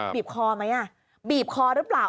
บีบคอไหมบีบคอหรือเปล่า